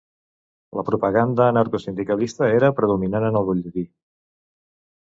La propaganda anarcosindicalista era predominant en el butlletí.